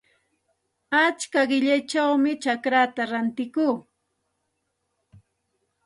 Achka qillayćhawmi chacraata rantikuu.